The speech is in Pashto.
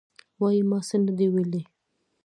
وایي: ما څه نه دي ویلي.